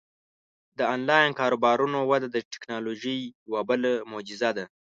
د آنلاین کاروبارونو وده د ټیکنالوژۍ یوه بله معجزه ده.